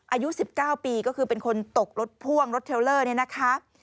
อายุ๑๙ปีก็คือเป็นคนตกรถพ่วงรถเทลเลอร์เนี่ยนะคะ